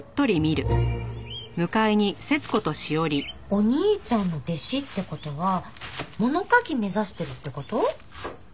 お兄ちゃんの弟子って事は物書き目指してるって事？